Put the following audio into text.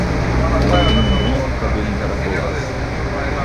Ela tem um longo cabelo encaracolado.